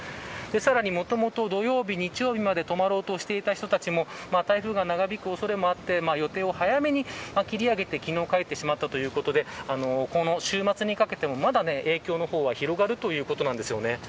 さらに、もともと土曜日日曜日まで泊まろうとしていた人たちも台風が長引く恐れもあって予定を早めに切り上げて昨日、帰ってしまったということでこの週末にかけても、まだ影響が広がるということです。